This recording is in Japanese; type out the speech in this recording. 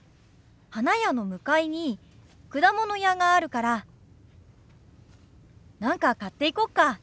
花屋の向かいに果物屋があるから何か買っていこうか。